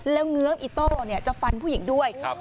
แล้วเงื้อมอิโต้จะฟันผู้หญิงด้วย